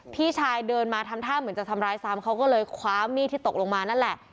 พี่ชายเดินมาทำท่าเหมือนจะทำร้ายซ้ำเขาก็เลยคว้ามีดที่ตกลงมานั่นแหละ